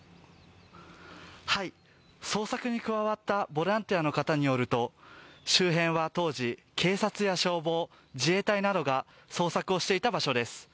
捜索に加わったボランティアの方によると、周辺は当時、警察や消防、自衛隊などが捜索をしていた場所です。